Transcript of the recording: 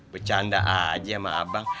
bercanda aja sama abang